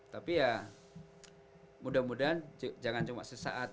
tapi ya mudah mudahan jangan cuma sesaat